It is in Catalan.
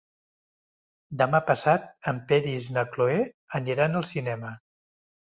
Demà passat en Peris i na Cloè aniran al cinema.